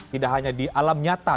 tidak hanya di alam nyata